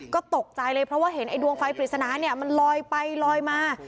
ก็ตกใจเลยเพราะว่าเห็นไอดวงไฟปริศนาเนี่ยมันลอยไปลอยมา